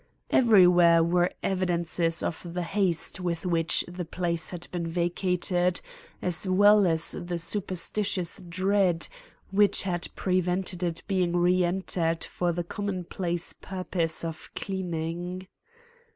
Everywhere were evidences of the haste with which the place had been vacated as well as the superstitious dread which had prevented it being re entered for the commonplace purpose of cleaning.